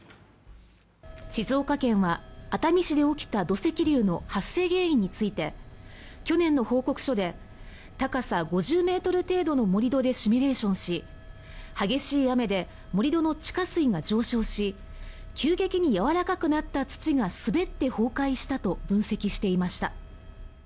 静岡県は熱海市で起きた土石流の発生原因について去年の報告書で高さ５０ｍ程度の盛り土でシミュレーションし激しい雨で盛り土の地下水が上昇し急激にやわらかくなった土が滑って崩壊したと分析していました。